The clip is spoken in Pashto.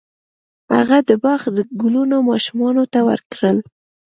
هغه د باغ ګلونه ماشومانو ته ورکړل.